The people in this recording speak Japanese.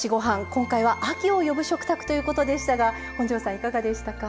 今回は「『秋を呼ぶ』食卓」ということでしたが本上さんいかがでしたか？